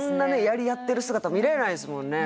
やり合ってる姿見れないですもんね